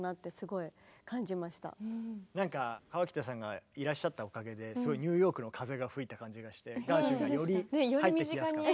河北さんがいらっしゃったおかげですごいニューヨークの風が吹いた感じがしてガーシュウィンがより入ってきやすかった。